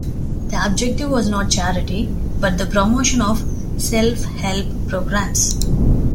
The objective was not charity, but the promotion of self-help programs.